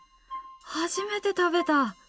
「初めて食べた！」